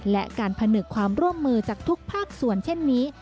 และการผนึกความร่วมมือจากทุกภาคส่วนเช่นนี้